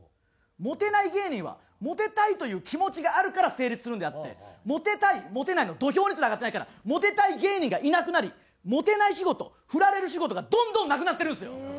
モテない芸人はモテたいという気持ちがあるから成立するんであってモテたいモテないの土俵にすら上がってないからモテたい芸人がいなくなりモテない仕事フラれる仕事がどんどんなくなってるんですよ。